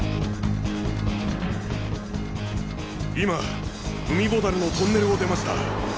今海ボタルのトンネルを出ました。